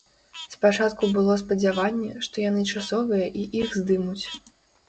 Спачатку было спадзяванне, што яны часовыя, і іх здымуць.